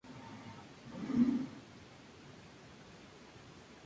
Esta última canción no se incluyó en el álbum "People".